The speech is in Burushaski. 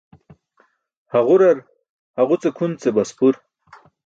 Haġurar haġuce kʰun ce baspur.